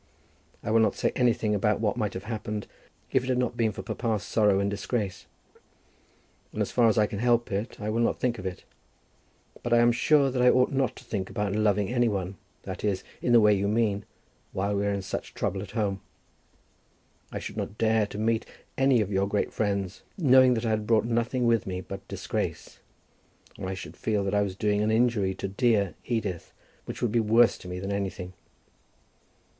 I will not say anything about what might have happened, if it had not been for papa's sorrow and disgrace; and as far as I can help it, I will not think of it; but I am sure that I ought not to think about loving any one, that is, in the way you mean, while we are in such trouble at home. I should not dare to meet any of your great friends, knowing that I had brought nothing with me but disgrace. And I should feel that I was doing an injury to dear Edith, which would be worse to me than anything.